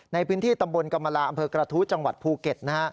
ในพื้นที่ตำบลกรรมลาอำเภอกระทู้จังหวัดภูเก็ตนะฮะ